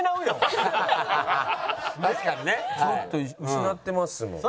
ちょっと失ってますもん。